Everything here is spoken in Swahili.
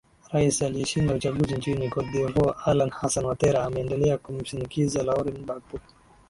rais aliyeshinda uchaguzi nchini cote devoire alan hassan watera ameendelea kumshinikiza lauren bagbo